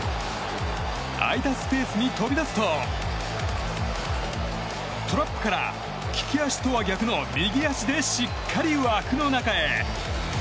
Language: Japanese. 空いたスペースに飛び出すとトラップから利き足とは逆の右足で、しっかり枠の中へ。